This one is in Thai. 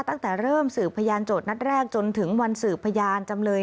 ตั้งแต่เริ่มสืบพยานโจทย์นัดแรกจนถึงวันสืบพยานจำเลย